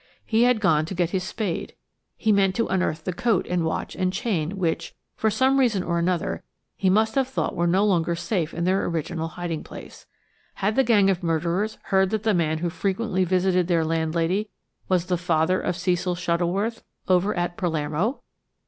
He had gone to get his spade. He meant to unearth the coat and the watch and chain which, for some reason or another, he must have thought were no longer safe in their original hiding place. Had the gang of murderers heard that the man who frequently visited their landlady was the father of Cecil Shuttleworth over at Palermo?